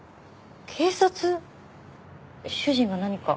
警察？主人が何か？